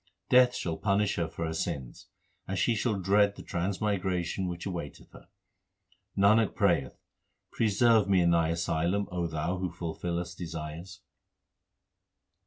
Death shall punish her for her sins, and she shall dread the transmigration which awaiteth her. Nanak prayeth preserve me in Thine asylum, O Thou who fulfillest desires.